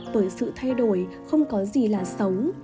bởi sự thay đổi không có gì là sống